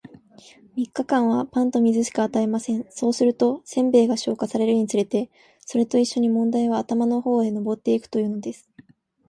三日間は、パンと水しか与えません。そうすると、煎餅が消化されるにつれて、それと一しょに問題は頭の方へ上ってゆくというのです。